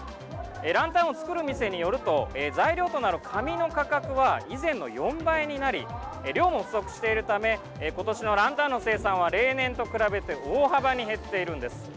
ランタンをつくる店によると材料となる紙の価格は以前の４倍になり量も不足しているためことしのランタンの生産は例年と比べて大幅に減っているんです。